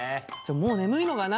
もう眠いのかな？